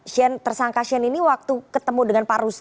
shane tersangka shane ini waktu ketemu dengan pak rus